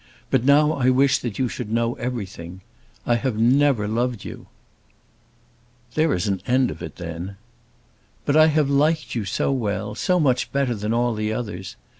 But now I wish that you should know everything. I have never loved you." "There is an end of it then." "But I have liked you so well, so much better than all others!